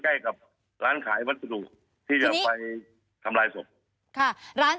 ใกล้กับร้านขายวัตถุที่จะไปทำลายศพ